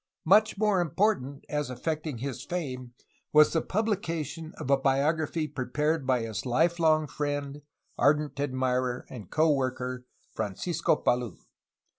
Much more important as affecting his fame was the publication of a biography prepared by his life long friend, ardent admirer, and co worker, Francisco Palou.